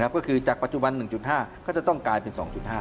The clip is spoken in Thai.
ก็คือจากปัจจุบัน๑๕ก็จะต้องกลายเป็น๒๕